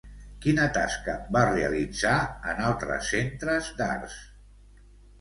Quina tascar va realitzar en altres centres d'arts?